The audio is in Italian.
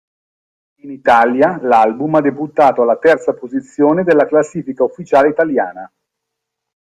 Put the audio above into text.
In Italia l'album ha debuttato alla terza posizione della classifica ufficiale italiana.